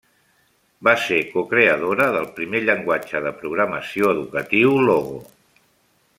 Va ser cocreadora del primer llenguatge de programació educatiu, Logo.